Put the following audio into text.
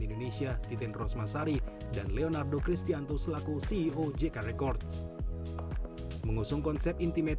indonesia titin rosmasari dan leonardo cristianto selaku ceo jk records mengusung konsep intimate